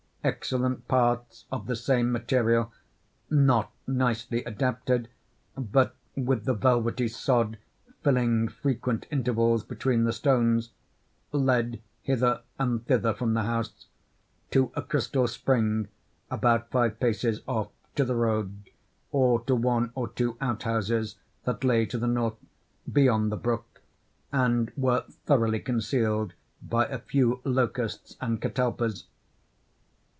Excellent paths of the same material—not nicely adapted, but with the velvety sod filling frequent intervals between the stones, led hither and thither from the house, to a crystal spring about five paces off, to the road, or to one or two out houses that lay to the north, beyond the brook, and were thoroughly concealed by a few locusts and catalpas.